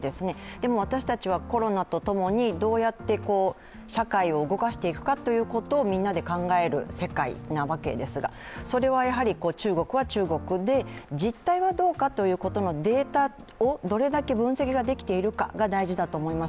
でも、私たちはコロナとともにどうやって社会を動かしていくかということをみんなで考える世界なわけですがそれは中国は中国で実態はどうかということのデータをどれだけ分析ができているかが大事だと思います。